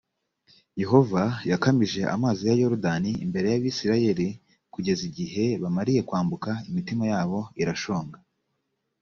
yehova yakamije amazi ya yorodani imbere y abisirayeli kugeza igihe bamariye kwambuka imitima yabo irashonga